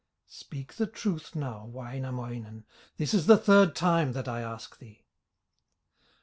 Speak the truth now, Wainamoinen, This the third time that I ask thee."